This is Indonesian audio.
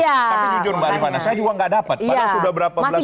tapi jujur mbak rifana saya juga gak dapat padahal sudah berapa belas orang